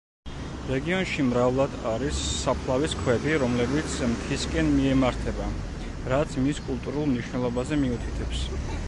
რეგიონში მრავლად არის საფლავის ქვები, რომლებიც მთისკენ მიემართება, რაც მის კულტურულ მნიშვნელობაზე მიუთითებს.